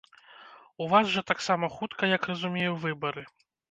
У вас жа таксама хутка, як разумею, выбары.